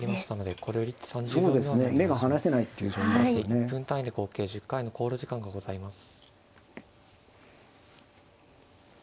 １分単位で合計１０回の考慮時間がございます。